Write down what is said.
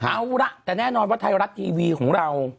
เอาล่ะแต่แน่นอนว่าไทยรัฐทีวีของเรา